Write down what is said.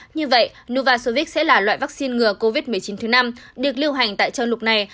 như vậy nova sovich sẽ là loại vaccine ngừa covid một mươi chín thứ năm được lưu hành tại châu lục này